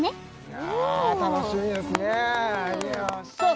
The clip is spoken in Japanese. いやあ楽しみですねさあ